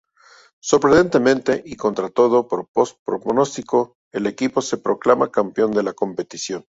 Sorprendentemente, y contra todo pronóstico, el equipo se proclama campeón de la competición.